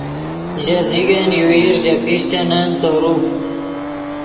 ژے زیگن یوویر ژے پیشچنن تورو